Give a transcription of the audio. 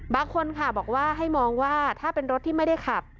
บางคนค่ะบอกว่าให้มองว่าถ้าเป็นรถที่ไม่ได้ขับ